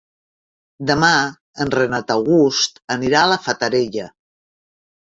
Demà en Renat August anirà a la Fatarella.